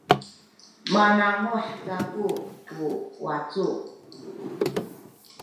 manamuh kaku tu wacu